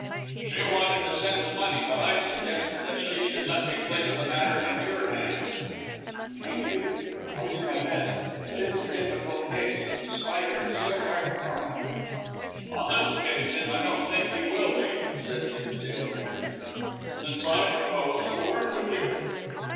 "She wanted to send the money, but I suggested that she should let me place the matter in your hands." "Thank you. I'll do my best. But it's a difficult case, as The Spider is so hard to find." "On this occasion I don't think he will be," said Dimsdale with grim humour, "since I propose to work with you."